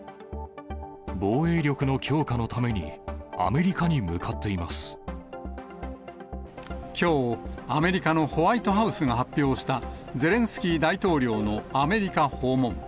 防衛力の強化のために、きょう、アメリカのホワイトハウスが発表したゼレンスキー大統領のアメリカ訪問。